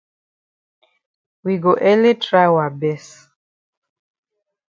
We go ele try wa best.